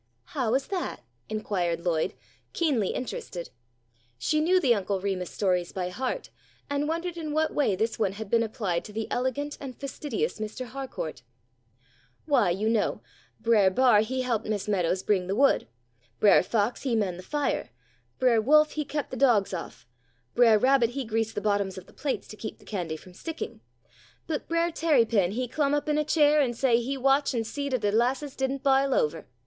"How is that?" inquired Lloyd, keenly interested. She knew the Uncle Remus stories by heart and wondered in what way this one had been applied to the elegant and fastidious Mr. Harcourt. "Why, you know, Brer B'ar he helped Miss Meadows bring the wood, Brer Fox he mend the fire, Brer Wolf he kept the dogs off, Brer Rabbit he greased the bottoms of the plates to keep the candy from sticking, but 'Brer Tarrypin he klum up in a cheer an' say he watch an' see dat de 'lasses didn't bile over.'